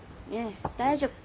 大丈夫。